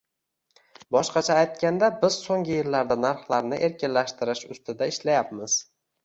Boshqacha aytganda, biz so'nggi yillarda narxlarni erkinlashtirish ustida ishlayapmiz